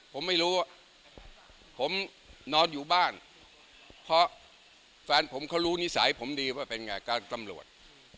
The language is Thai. ผมไม่รู้ผมนอนอยู่บ้านเพราะแฟนผมเขารู้นิสัยผมดีว่าเป็นไงการตำรวจ